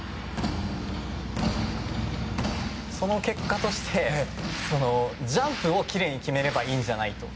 その結果として、ジャンプをきれいに決めればいいんじゃないのと。